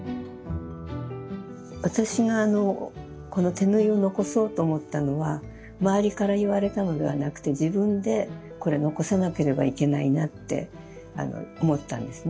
私がこの手縫いを残そうと思ったのは周りから言われたのではなくて自分でこれ残さなければいけないなって思ったんですね。